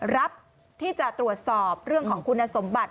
รับที่จะตรวจสอบเรื่องของคุณสมบัติ